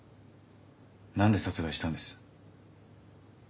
何で殺害したんです？